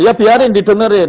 iya biarin didengerin